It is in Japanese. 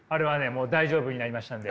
もう大丈夫になりましたんで。